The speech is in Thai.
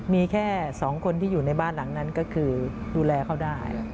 มีแค่๒คนที่อยู่ในบ้านหลังนั้นก็คือดูแลเขาได้